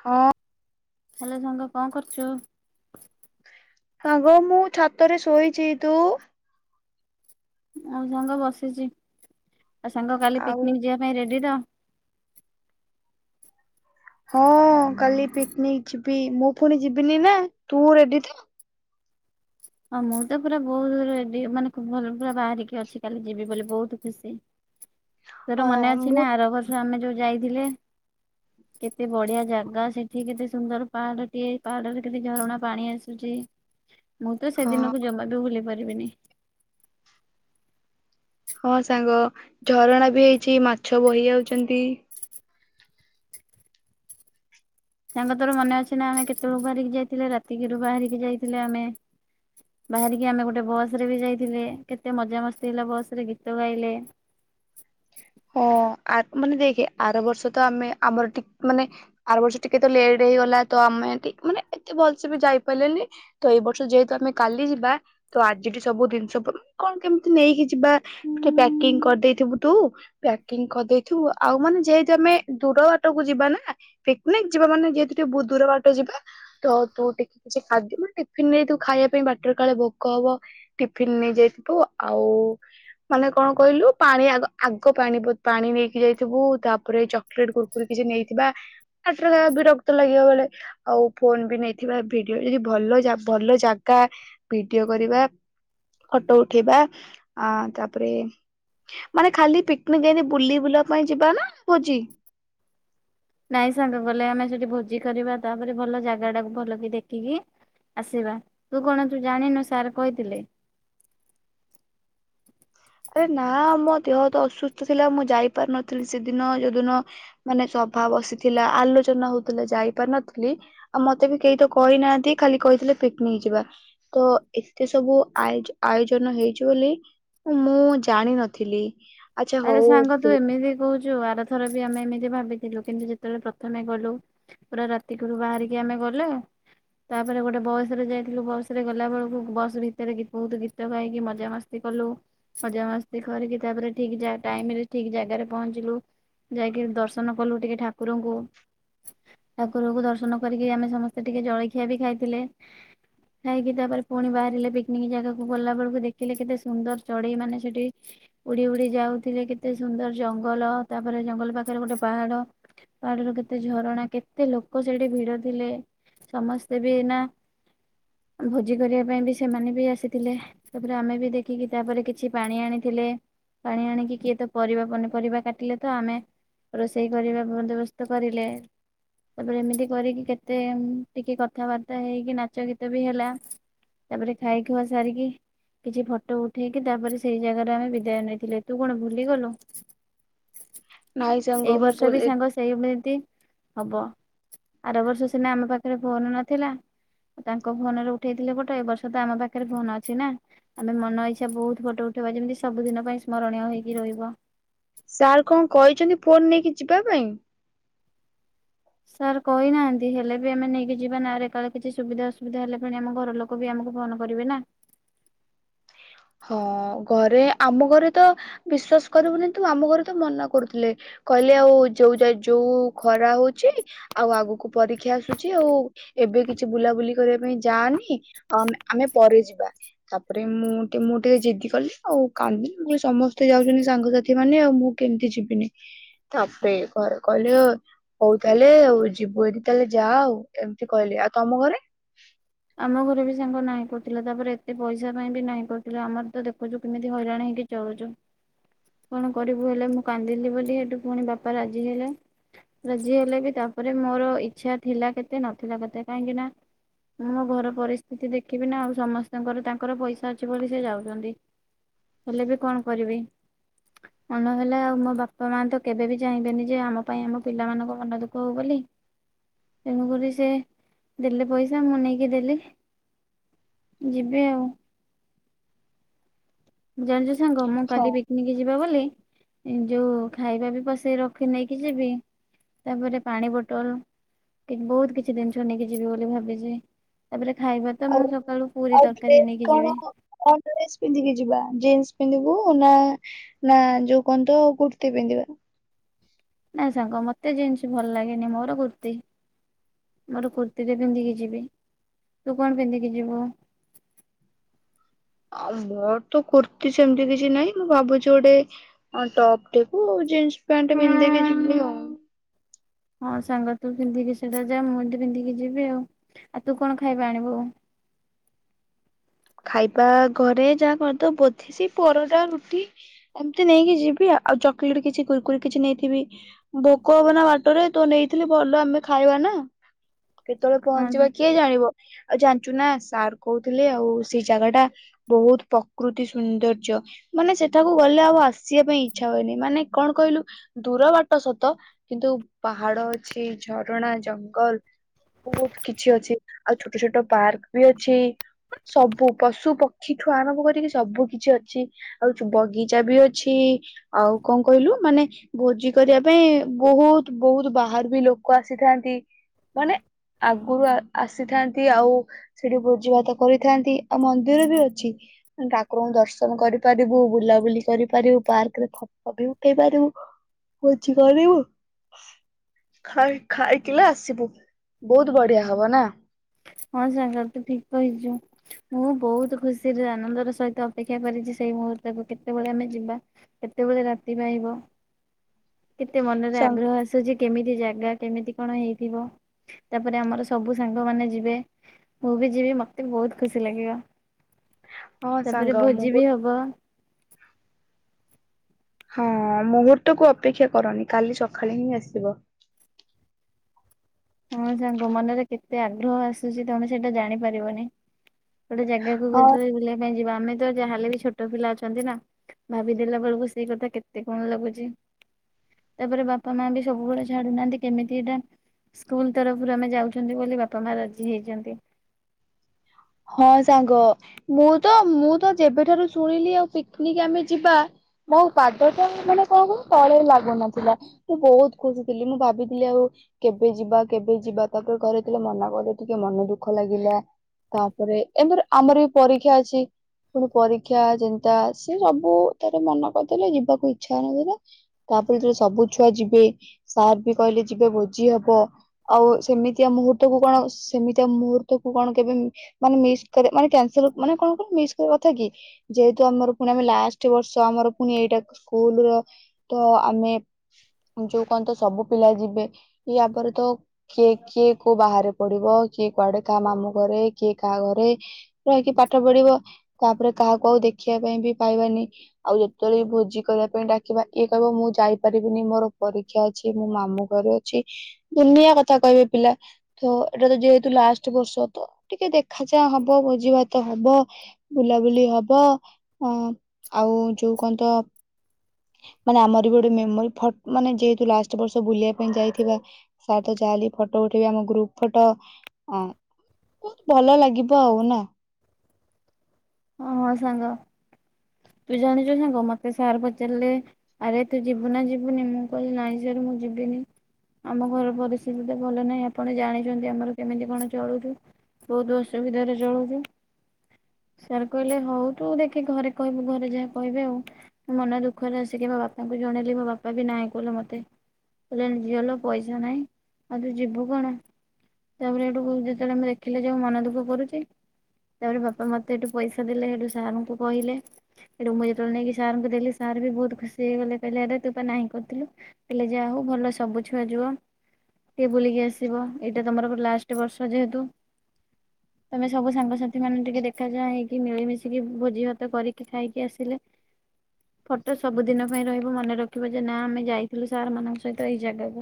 ହଁ। ହାଲୋ ସାଙ୍ଗ କଣ କରୁଚୁ? ସାଙ୍ଗ ମୁଁ ଛାତରେ ଶୋଉଇଛି ତୁ ଆଉ ସାଙ୍ଗ ବସିଚି ଆଉ ସାଙ୍ଗ କାଲି ଆଉ ପିକନିକ୍ ଯିବା ପାଇଁ ରେଡି ତ? ହଁ କାଲି ପିକନିକ ଯିବି ମୁଁ ପୁଣି ଯିବିନି ନାଁ ତୁ ରେଡି ତ? ହଁ ମୁଁ ତ ପୁରା ବୋହୁତ ରେଡି ମାନେ ଖୁ ଭଲ ପୁରା ବାହାରିକି ଅଛି କାଲି ଯିବି ବୋଲି ବୋହୁତ ଖୁସି। ତୋର ହଁ ମନେ ଅଛି ମୁଁ ନାଁ ଆର ବର୍ଷ ଆମେ ଯୋଉ ଯାଇଥିଲେ କେତେ ବଢ଼ିଆ ଜାଗା ସେଠି କେତେ ସୁନ୍ଦର ପାହାଡ଼ଟିଏ ପାହାଡ଼ରେ କେତେ ଝରଣା ପାଣି ଆସୁଚି। ମୁଁ ତ ହଁ ସେଦିନକୁ ଜମା ବି ଭୁଲି ପାରି ରିବିନି ହଁ ସାଙ୍ଗ ଝରଣା ବି ହେଇଚି ମାଛ ବହି ଯାଉଚନ୍ତି ସାଙ୍ଗ ତୋର ମନେ ଅଛି ନାଁ ଆମେ କେତୋଳୁ ବାହାରିକି ଯାଇଥିଲେ? ରାତିକିରୁ ବାହାରିକି ଯାଇଥିଲେ ଆମେ। ବାହାରିକି ଆମେ ଗୋଟେ ବସରେ ବି ଯାଇଥିଲେ। କେତେ ମଜା ମସ୍ତି ହେଲା ବସରେ ଗୀତ ଗାଇଲେ। ହଁ ଆ ମାନେ ଦେଖେ ଆର ବର୍ଷ ତ ଆମେ ଆମର ଟି ମାନେ ଆର ବର୍ଷ ଟିକେ ତ ଲେଟ ହେଇଗଲା ତ ଆମେ ଟି ମାନେ ଏତେ ଭଲସେ ବି ଯାଇପାରିଲେନି ତ ଏଇ ବର୍ଷ ଯେହେତୁ ଆମେ କାଲି ଯିବା ତ ଆଜିଠୁ ସବୁ ଦିନଷ ପ କଣ କେମତି ନେଇକି ଯିବା ଟିକେ ପ୍ୟାକିଂ କରିଦେଇଥିବୁ ତୁ? ପ୍ୟାକିଂ କରିଦେଇଥିବୁ ଆଉ ମାନେ ଯେହେତୁ ଆମେ ଦୂର ବାଟକୁ ଯିବା ନାଁ ପିକନିକ ଯିବା ମାନେ ଯେହେତୁ ଟିକେ ବୋ ଦୂର ବାଟ ଯିବା ତ ତୁ ଟିକେ କିଛି ଖାଦ୍ୟ ମାନେ ଟିଫିନ ନେଇଥିବୁ ଖାଇବା ପାଇଁ ବାଟରେ କାଳେ ଭୋକ ହବ ଟିଫିନ ନେଇଯାଇଥିବୁ ଆଉ ମାନେ କଣ କହିଲୁ ପାଣି ଆଗ ଆ କୋ ପାଣି ବୋ ପାଣି ନେଇକି ଯାଇଥିବୁ। ତାପରେ ଚକଲେଟ କୁରକୁରି କିଛି ନେଇଥିବା ଆଟରେ ଯା ବିରକ୍ତ ଲାଗିବ ବୋଲେ ଆଉ ଫୋନ ବି ନେଇଥିବା ଭିଡିଓ ଯଦି ଭଲ ଜା ଭଲ ଜାଗା ଭିଡିଓ କରିବା ଫଟ ଉଠେଇବା ଆ ତାପରେ ମାନେ ଖାଲି ପି ମାନେ ଯେନ୍ତି ବୁଲି ବୁଲା ପାଇଁ ଯିବା ନାଁ ଭୋଜି ନାଇଁ ସାଙ୍ଗ ଗଲେ ଆମେ ସେଠି ଭୋଜି କରିବା ତାପରେ ଭଲ ଜାଗାଟାକୁ ଭଲ କି ଦେଖିକି ଆସିବା। ତୁ କଣ ଜାଣିନୁ ସାର୍ କହିଥିଲେ? ଆରେ ନାଁ ମୋ ଦେହ ତ ଅସୁସ୍ଥ ଥିଲା ମୁଁ ଯାଇପାରୁନଥିଲି ସେଦିନ ଯୋଉ ଦିନ ମାନେ ସଭା ବସିଥିଲା ଆଲୋଚନା ହୋଉଥୁଲା ଯାଇପାରୁନଥିଲି ଆଉ ମତେ ବି କେହି ତ କହିନାହାନ୍ତି ଖାଲି କହିଥିଲେ ପିକନିକ ଯିବା। ତ ଏତେ ସବୁ ଆୟୋଜ ଆୟୋଜନ ହେଇଚି ବୋଲି ମୁଁ ଜାଣିନଥିଲି। ଆଚ୍ଛା ଆରେ ହଉ ସାଙ୍ଗ ତୁ ଏମିତି କୋହୁଚୁ ଆରଥର ବି ଆମେ ଏମିତି ଭାବିଥିଲୁ କିନ୍ତୁ ଯେତୋଳେ ପ୍ରଥମେ ଗଲୁ ପୁରା ରାତି କୁରୁ ବାହାରିକି ଆମେ ଗଲେ ତାପରେ ଗୋଟେ ବସରେ ଯାଇଥିଲୁ ବସରେ ଗଲା ବେଳୁକୁ ବସ୍ ଭିତରେ ଗୀ ବୋହୁତ ଗୀତ ଗାଇକି ମଜାମସ୍ତି କଲୁ ମଜାମସ୍ତି କରିକି ତାପରେ ଠିକ୍ ଯା ଟାଇମରେ ଠିକ ଜାଗାରେ ପହଞ୍ଚିଲୁ ଯାଇକିରି ଦର୍ଶନ କଲୁ ଟିକେ ଠାକୁରଙ୍କୁ। ଠାକୁରଙ୍କୁ ଦର୍ଶନ କରିକି ଆମେ ସମସ୍ତେ ଟିକେ ଜଳଖିଆ ବି ଖାଇଥିଲେ। ଖାଇକି ତାପରେ ପୁଣି ବାହାରିଲେ ପିକନିକ ଜାଗାକୁ ଗଲା ବେଳୁକୁ ଦେଖିଲେ କେତେ ସୁନ୍ଦର ଚଡ଼େଇମାନେ ସେଠି ଉଡ଼ି ଉଡ଼ି ଯାଉଥିଲେ କେତେ ସୁନ୍ଦର ଜଙ୍ଗଲ ତାପରେ ଜଙ୍ଗଲ ପାଖରେ ଗୋଟେ ପାହାଡ଼। ପାହାଡ଼ର କେତେ ଝରଣା କେତେ ଲୋକ ସେଠି ଭିଡ଼ ଥିଲେ। ସମସ୍ତେ ବି ନାଁ ଭୋଜି କରିବା ପାଇଁ ବି ସେମାନେ ବି ଆସିଥିଲେ। ତାପରେ ଆମେ ବି ଦେଖିକି ତାପରେ କିଛି ପାଣି ଆଣିଥିଲେ ପାଣି ଆଣିକି କିଏ ତ ପରିବା ପନିପରିବା କାଟିଲେ ତ ଆମେ ରୋଷେଇ କରିବା ବନ୍ଦୋବସ୍ତ କରିଲେ। ତାପରେ ଏମିତି କରିକି କେତେ ଟିକେ କଥାବାର୍ତ୍ତା ହେଇକି ନାଚ ଗୀତ ବି ହେଲା ତାପରେ ଖାଇ ଖୁଆ ସାରିକି କିଛି ଫଟୋ ଉଠେଇକି ତାପରେ ସେଇ ଜାଗାରୁ ଆମେ ବିଦାୟ ନେଇ ଥିଲେ। ତୁ କଣ ଭୁଲିଗଲୁ? ନାଇଁ ଏଇ ସାଙ୍ଗ ମୁଁ ବର୍ଷ ବି ଭୁଲି ସାଙ୍ଗ ସେଇମିତି ହବ ଆର ବର୍ଷ ସିନା ଆମ ପାଖରେ ଫୋନ ନଥିଲା। ତାଙ୍କ ଫୋନ ରେ ଉଠେଇଥିଲେ ଫଟୋ। ଏ ବର୍ଷ ତ ଆମ ପାଖରେ ଫୋନ ଅଛି ନା ଆମେ ମନ ଇଛା ବହୁତ ଫଟୋ ଉଠେଇବା। ଯେମିତି ସବୁଦିନ ପାଇଁ ସ୍ମରଣୀୟ ହେଇକି ରହିବ। ସାର କଣ କହିଚନ୍ତି ଫୋନ ନେଇକି ଯିବା ପାଇଁ? ସାର୍ କହି ନାହାଁନ୍ତି ହେଲେ ବି ଆମେ ନେଇକି ଯିବା ନାଁ ଆରେ କଲେ କିଛି ସୁବିଧା ଅସୁବିଧା ହେଲେ ପଣେ ଆମ ଘର ଲୋକ ବି ଆମକୁ ଫନ କରିବେ ନାଁ। ହଁ ଘରେ ଆମ ଘରେ ତ ବିଶ୍ଵାସ କରିବୁନି ତୁ ଆମ ଘରେ ତ ମନା କରୁଥିଲେ। କହିଲେ ଆଉ ଯୋଉ ଯାଇ ଯୋଉ ଖରା ହଉଚି। ଆଉ ଆଗକୁ ପରୀକ୍ଷା ଆସୁଚି ଆଉ ଏବେ କିଛି ବୁଲାବୁଲି କରିବା ପାଇଁ ଯାନି ଆଉ ଆମେ ଆମେ ପରେ ଯିବା ତା ପରେ ମୁଁ ମୁଁ ଟିକେ ଜିଦି କଲି ଆଉ କାନ୍ଦିଲି ମୁଁ କଇଲି ସମସ୍ତେ ଯାଉଚନ୍ତି ସାଙ୍ଗ ସାଥିମାନେ ଆଉ ମୁଁ କେମିତି ଯିବିନି। ତା ପରେ ଘରେ କହିଲେ ହଉ ତା ହେଲେ ଆଉ ଯିବୁ ଯଦି ଯା ଆଉ ଏମିତି କହିଲେ। ଆଉ ତମ ଘରେ ଆମ ଘରେ ବି ସାଙ୍ଗ ନାହିଁ କରୁଥିଲା। ତା ପରେ ଏତେ ପଇସା ପାଇଁ ବି ନାହିଁ କରୁଥିଲେ। ଆମର ତ ଦେଖୁଚୁ କେମିତି ହଇରାଣ ହେଇକି ଚଳୁଚୁ। କଣ କରିବୁ ହେଲେ ମୁଁ କାନ୍ଦିଲି ବୋଲି ସେଠୁ ପୁଣି ବାପା ରାଜି ହେଲେ। ରାଜି ହେଲେ ବି ତା ପରେ ମୋର ଇଚ୍ଛା ଥିଲା କେତେ ନଥିଲା କେତେ କାହିଁକି ନାଁ ମୁଁ ମୋ ଘର ପରିସ୍ଥିତି ଦେଖିବି ନାଁ ଆଉ ସମସ୍ତଙ୍କର ତାଙ୍କର ପଇସା ଅଛି ବୋଲି ସେ ଯାଉଚନ୍ତି। ହେଲେ ବି କଣ କରିବି ମନ ହେଲେ ଆଉ ମୋ ବାପା ମା ତ କେବେ ବି ଚାହିଁବେନି ଯେ ଆମ ପାଇଁ ଆମ ପିଲାମାନଙ୍କ ମନ ଦୁଃଖ ହଉ ବୋଲି ତେଣୁକରି ସେ ଦେଲେ ପଇସ ଯା ମୁଁ ନେଇକି ଦେଲି। ଯିବି ଆଉ। [unintelligible] ସାଙ୍ଗ ମୁଁ ହଁ କାଲି ପିକନିକ୍ ଯିବ ବ ବୋଲି ଯୋଉ ଖାଇବା ବି ପସେଇ ରଖି ନେଇକି ଯିବି। ତା ପରେ ପାଣି ବୋଟଲ ବହୁତ କିଛି ଜିନିଷ ନେଇକି ଯିବି ବୋଲି ଭାବିଚି। ତା ପରେ ଆଉ ଡ୍ରେସ ନେଇକି ଯିବି। କଣ କଣ ଡ୍ରେସ ପିନ୍ଧିକି ଯିବା? ଜିନ୍ସ ପିନ୍ଧିବୁ ନା ନା ଯୋଉ କଣତ କୁର୍ତ୍ତିୀ ପିନ୍ଧିବା। ନା ସାଙ୍ଗ ମତେ ଜିନ୍ସ ଭଲ ଲାଗେନି ମୋର କୁର୍ତ୍ତିୀ ମୋର କୃତ୍ତିରେ ପିନ୍ଧିକି ଯିବି। ତୁ କଣ ପିନ୍ଧିକି ଯିବୁ? ଆଉ ମୋର ତ କୁର୍ତ୍ତି ସେମତି କିଛି ନାଇଁ। ମୁଁ ଭାବୁଚି ଗୋଟେ ଅଁ ଟପଟିକୁ ଜିନ୍ସ ପ୍ୟାଣ୍ଟ ପିନ୍ଧିକି ଯିବି ଆଉ। ହଁ ସାଙ୍ଗ ତୁ ପିନ୍ଧିକି ସେଟା ଯା। ମୁଁ ଏଠି ପିନ୍ଧିକି ଯିବି ଆଉ। ଆଉ ତୁ କଣ ଖାଇବା ଆଣିବୁ? ଖାଇବା ଘରେ ଯାହା କଣ ତ ବୋଧେ ସେ ପରଟା ରୁଟି ଏମିତି ନେଇକି ଯିବି ଆଉ। ଚକୋଲେଟ କିଛି କୁରୁକୁରି କିଛି ନେଇଥିବି। ଭୋକ ହବ ନା ବାଟରେ ତୁ ନେଇଥିଲି ଭଲ ଆମେ ଖାଇବା ନାଁ। କେତେବେଳେ ପହଞ୍ଚିବା କିଏ ଜାଣିବ? ଆଉ ଜାଣିଚୁ ନା ସାର୍ କହୁଥିଲେ ଆଉ ସେଇ ଜାଗା ଟା ବହୁତ ପ୍ରକୃତି ସୌନ୍ଦର୍ଯ୍ୟ ମାନେ ସେଠାକୁ ଗଲେ ଆଉ ଆସିବା ପାଇଁ ଇଚ୍ଛା ହୁଏନି। ମାନେ କଣ କହିଲୁ ଦୂର ବାଟ ସତ କିନ୍ତୁ ପାହାଡ ଅଛି ଝରଣା ଜଙ୍ଗଲ ବହୁତ କିଛି ଅଛି। ଆଉ ଛୋଟ ଛୋଟ ପାର୍କ ବି ଅଛି। ସବୁ ପଶୁ ପକ୍ଷୀ ଠୁଆ ଆରମ୍ଭ କରିକି ସବୁ କିଛି ଅଛି ଆଉ ବଗିଚା ବି ଅଛି। ଆଉ କଣ କହିଲୁ ମାନେ ଭୋଜି କରିବା ପାଇଁ ବହୁତ ବହୁତ ବାହାରୁ ବି ଲୋକ ଆସିଥାନ୍ତି। ମାନେ ଆଗରୁ ଆସିଥାନ୍ତି ଆଉ ସେଠି ଭୋଜି ଭାତ କରି ଥାନ୍ତି ଆଉ ମନ୍ଦିର ବି ଅଛି। ଠାକୁରଙ୍କୁ ଦର୍ଶନ କରିପାରିବୁ। ବୁଲାବୁଲି କରିପାରିବୁ ପାର୍କରେ ଫୋଟ ବି ଉଠେଇ ପାରିବୁ। ଭୋଜି କରିବୁ ଖାଇ ଖାଇକି ଆସିବୁ ବହୁତ ବଢିଆ ହବ ନାଁ। ହଁ ସାଙ୍ଗ ତୁ ଠିକ କହିଛୁ। ମୁଁ ବହୁତ ଖୁସିରେ ଆନନ୍ଦର ସହିତ ଅପେକ୍ଷା କରିିଚି ସେଇ ମୁହୂର୍ତ୍ତକୁ କେତେବେଳେ ଆମେ ଯିବା କେତେବେଳେ ରାତି ପାହିବ। କେତେ ମନରେ ସାଙ୍ଗ ଆଗ୍ରହ ଆସୁଚି କେମିତ ଯେ ଜାଗା କେମିତି କଣ ହେଇଥିବ। ତା ପରେ ଆମର ସବୁ ସାଙ୍ଗ ମାନେ ଯିବେ। ମୁଁ ବି ଯିବି ମତେ ବି ବହୁତ ଖୁସି ଲାଗିବ। ହଁ ତା ପରେ ସାଙ୍ଗ ଭୋଜି ବି ମୁହୂର୍ତ୍ତ ହବ। ହଁ ମୁହୂର୍ତ୍ତକୁୁ ଅପେକ୍ଷା କରନି କାଲି ସଖାଳେ ହିଁ ଆସିବ। ହଁ ସାଙ୍ଗ ମନରେ କେତେ ଆଗ୍ରହ ଆସୁଚି ତମେ ସେଇଟା ଜାଣିପାରିବନି। ଗୋଟେ ଜାଗାକୁ ହଁ [unintelligible] ବୁଲିବା ପାଇଁ ଯିବା। ଆମେ ତ ଯାହା ହେଲେ ବି ଛୋଟ ପିଲା ଅଛନ୍ତି ନା। ଭାବିଦେଲା ବେଳକୁ ସେଇ କଥା କେତେ କଣ ଲାଗୁଚି। ତା ପରେ ବାପା ମା ବି ସବୁବେଳେ ଛାଡୁ ନାହାଁନ୍ତି। କେମିତି ଏଇଟା ସ୍କୁଲ ତରଫରୁ ଆମେ ଯାଉଚନ୍ତି ବୋଲି ବାପା, ମା ରାଜି ହେଇଚନ୍ତି। ହଁ ସାଙ୍ଗ ମୁଁ ତ ମୁଁ ତ ଯେବେଠାରୁ ଶୁଣିଲି ଆଉ ପିକନିକ୍ ଆମେ ଯିବା ମୋ ପାଦ ତ ମାନେ କଣ କହିଲୁ ତଳେ ଲାଗୁନଥିଲା। ମୁଁ ବହୁତ ଖୁସି ଥିଲି। ମୁଁ ଭାବିଥିଲି ଆଉ କେବେ ଯିବା କେବେ ଯିବା ତାପରେ ଘରେ ଥିଲେ ମନା କଲେ ଟିକେ ମନ ଦୁଃଖ ଲାଗିଲା। ତା ପରେ ଏମତିରେ ଆମର ବି ପରୀକ୍ଷା ଅଛି। ପୁଣି ପରୀକ୍ଷା ଚିନ୍ତା ସେ ସବୁ ତାର ମନ କରିଦେଲେ ଯିବାକୁ ଇଛା ହଉନଥିଲା। ତା ପରେ ଯେତେଳେ ସବୁ ଛୁଆ ଯିବେ ସାର୍ ବି କହିଲେ ଯିବେ ଭୋଜି ହବ। ଆଉ ସେମିତିଆ ମୁହୂର୍ତ୍ତକୁ କଣ ସେମିତିଆ ମୁହୂର୍ତ୍ତକୁ କଣ କେବେ ମାନେ ମିସ୍ କରେ ମାନେ କ୍ୟାନ୍ସେଲ୍ ମାନେ କଣ କଲ ମିସ୍ କରିବା କଥା କି। ଯେହେତୁ ଆମର ପୁଣି ଆମେ ଲାଷ୍ଟ ବର୍ଷ ଆମର ପୁଣି ଏଇଟା ସ୍କୁଲର ତ ଆମେ ଯୋଉ କଣ ତ ସବୁ ପିଲା ଯିବେ। ୟା ପରେ ତ କିଏ କିଏ କୋଉ ବାହାରେ ପଢିବ। କିଏ କୁଆଡେ କାହା ମାମୁଁ ଘରେ କିଏ କାହା ଘରେ ରହିକି ପାଠ ପଢିବ। ତା ପରେ କାହାକୁ ଆଉ ଦେଖିବା ପାଇଁ ବି ପାଇବାନି। ଆଉ ଯେତେବେଳେ ବି ଭୋଜି କରିବା ପାଇଁ ଡାକିବା। ଇଏ କହିବ ମୁଁ ଯାଇପାରିବିନି ମୋର ପରୀକ୍ଷା ଅଛି। ମୋ ମାମୁଁ ଘରେ ଅଛି। ଦୁନିଆ କଥା କହିବେ ପିଲା। ତ ଏଇଟା ତ ଯେହେତୁ ଲାଷ୍ଟ ବର୍ଷ ତ ଟିକେ ଦେଖା ଚାହାଁ ହବ। ଭୋଜି ଭାତ ହବ, ବୁଲାବୁଲି ହବ ଅଁ ଆଉ ଯୋଉ କଣତ ମାନେ ଆମର ବି ଗୋଟେ ମେମୋରି ଫ ମାନେ ଯେହେତୁ ଲାଷ୍ଟ ବର୍ଷ ବୁଲିବା ପାଇଁ ଯାଇଥିବା ସାର୍ ତ ଯା ହେଲେ ବି ଫଟୋ ଉଠେଇବେ ଆମ ଗ୍ରୁପ ଫଟୋ। ଅଁ ବହୁତ ଭଲ ଲାଗିବ ଆଉ ନା। ହଁ ହଁ ସାଙ୍ଗ ତୁ ଜାଣିଛୁ ସାଙ୍ଗ ମତେ ସାର୍ ପଚାରିଲେ। ଆରେ ତୁ ଯିବୁ ନା ଯିବୁନି ମୁଁ କହିଲି ନାଇଁ ସାର୍ ମୁଁ ଯିବିନି। ଆମ ଘର ପରିସ୍ଥିତି ତ ଭଲ ନାହିଁ ଆପଣ ଜାଣିଚନ୍ତି। ଆମର କେମିତି କଣ ଚଳୁଚୁ ବହୁତ ଅସୁବିଧାରେ ଚଳୁଚୁ। ସାର୍ କହିଲେ ହଉ ତୁ ଦେଖି ଘରେ କହିବୁ ଘରେ ଯାହା କହିବେ ଆଉ। ମନ ଦୁଃଖରେ ଆସିକି ମୋ ବାପାଙ୍କୁ ଜଣେଇଲି ମୋ ବାପା ବି ନାଇଁ କଲେ ମତେ। କହିଲେ ଝିଅଲୋ ପଇସା ନାହିଁ ଆଉ ତୁ ଯିବୁ କଣ। ତା ପରେ ସେଇଠୁ ବୋଉ ଯେତେବେଳେ ମୁଁ ଦେଖିଲେ ଯେ ମନ ଦୁଃଖ କରୁଚି। ତା ପରେ ବାପା ମତେ ସେଠୁ ପଇସା ଦେଲେ ସେଠୁ ସାର୍ ଙ୍କୁ କହିଲେ ସେଠୁ ମୁଁ ଯେତେବେଳେ ନେଇକି ସାର୍ ଙ୍କୁ ଦେଲି ସାର୍ ବି ବହୁତ ଖୁସି ହେଇଗଲେ। କହିଲେ ଆରେ ତୁ ପା ନାହିଁ କରିଥିଲୁ। କଲେ ଯା ହଉ ଭଲ ସବୁ ଛୁଆ ଯୁଅ ଟିକେ ବୁଲିକି ଆସିବ। ଏଇଟା ତମର ଲାଷ୍ଟ ବର୍ଷ ଯେହେତୁ ତମେ ସବୁ ସାଙ୍ଗସାଥି ମାନେ ଟିକେ ଦେ ଦେଖା ଚାହାଁ ହେଇକି ମିଳି ମିଶିକି ଭୋଜି ଭାତ କରିକି ଖାଇକି ଆସିଲେ ଫଟୋ ସବୁଦିନ ପାଇଁ ରହିବ। ମନେ ରଖିବ ଯେ ନା ଆମେ ଯାଇଥିଲୁ ସାର୍ ମାନଙ୍କ ସହିତ ଏଇ ଜାଗାକୁ।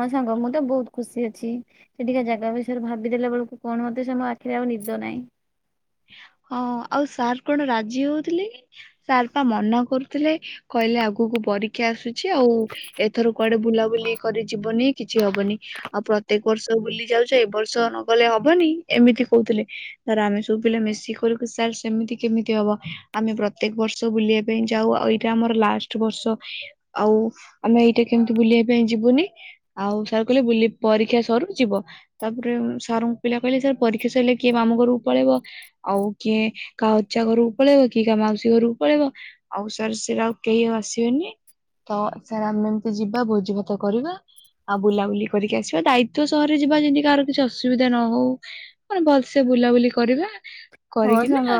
ହଁ ସାଙ୍ଗ ମୁଁ ତ ବହୁତ ଖୁସି ଅଛି। ସେଠିକା ଜାଗା ବିଷୟରେ ଭାବିଦେଲା ବେଳକୁ କୌଣସି ମତେ ମୋ ଆଖିରେ ଆଉ ନିଦ ନାଇଁ। ହଁ ଆଉ ସାର୍ କଣ ରାଜି ହଉଥିଲେ। ସାର୍ ପା ମନା କରୁଥିଲେ କହିଲେ ଆଗକୁ ପରୀକ୍ଷା ଆସୁ ଚି ଆଉ ଏଥର କୁଆଡେ ବୁଲାବୁଲି କରି ଯିବନି କିଛି ହବନି ଆଉ ପ୍ରତ୍ୟେକ ବର୍ଷ ବୁଲି ଯାଉଛ ଏ ବର୍ଷ ନଗଲେ ହବନି ଏମିତି କହୁଥିଲେ ଧାର ଆମେ ସବୁ ପିଲା ମିଶିକି କର ସାର୍ ସେମିତି କେମିତି ହବ ଆମେ ପ୍ରତ୍ୟେକ ବର୍ଷ ବୁଲିବା ପାଇଁ ଯାଉ ଆଉ ଏଇଟା ଆମର ଲାଷ୍ଟ ବର୍ଷ ଆଉ ଆମେ ଏଇଟା କେମିତି ବୁଲିବା ପାଇଁ ଯିବୁନି ଆଉ ସାର୍ କହିଲେ ଵୁଲି ପରୀକ୍ଷା ସରୁ ଯିବ ତାପରେ ସାର୍ ଙ୍କୁ ପିଲା କହିଲେ ସାର୍ ପରୀକ୍ଷା ସରିଲେ କିଏ ମାମୁ ଘରକୁ ପଳେଇବ ଆଉ କିଏ କାହା ଅଜା ଘରକୁ ପଳେଇବ କି କାହା ମାଉସୀ ଘରକୁ ପଳେଇବ ଆଉ ସାର୍ ସେଟା ଆଉ କେହି ଆସିବେନି ତ ସାର୍ ଆମେ ଏମିତି ଯିବା ଭୋଜି ଭାତ କରିବା ଆଉ ବୁଲାବୁଲି କରିକି ଆସିବା ଦାୟିତ୍ବ ସହରରେ ଯିବା ଯେମିତିାହାର କିଛି ଅସୁବିଧା ନ ହଉ ମାନେ ଭଲସେ ବୁଲାବୁଲି କରିବା ହଉ କରିକିନା ସାଙ୍ଗ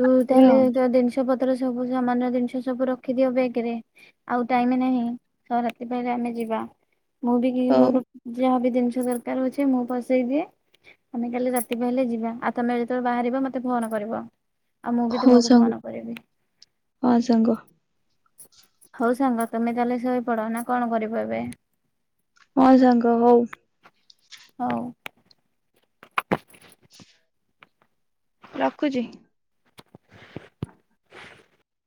ତୁ ତାଲେ ତୋ ଦିନିଶ ପତ୍ର ସବୁ ସାମାନ୍ ଜିନିଷ ସବୁ ରଖିଦିଅ ବ୍ୟାଗରେ ଆଉ ଟାଇମ୍ ନାହିଁ ର ରାତି ପାହିଲେ ଆମେ ଯିବା ମୁଁ ବି କି [inaudible] ହଉ ମଣ୍ଡ ଯାହାବି ଜିନିଷ ଦରକାର ହଉଛି ମୁଁ ପସେଇ ଦିଏ ଆମେ କାଲି ରାତି ପାହିଲେ ଯିବା ଆଉ ତମେ ଯେତେବେଳେ ବାହାରିବ ମତେ ଫୋନ୍ କରିବ ଆଉ ମୁଁ ବି ହଉ ତୁମକୁ ସାଙ୍ଗ ଫୋନ କରିବି ହଁ ସାଙ୍ଗ ହଉ ସାଙ୍ଗ ତମେ ତାହେଲେ ଶୋଇପଡ ନା କଣ କରିବ ଏବେ ହଁ ସାଙ୍ଗ ହଉ ହଉ ରଖୁଛି। [inaudible]